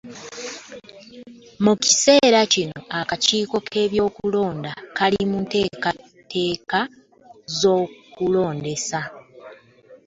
Mu kiseera kino, akakiiko k'ebyokulonda kali mu nteekateeka z'okulondesa